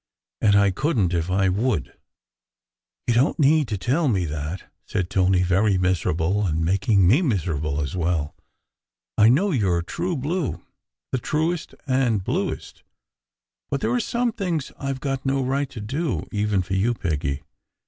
And I couldn t if I would !" "You don t need to tell me that," said Tony, very miserable, and making me miserable as well. "I know you re true blue the truest and bluest but there are some things I ve got no right to do, even for you, Peggy.